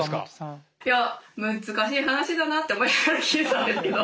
いや難しい話だなって思いながら聞いてたんですけど。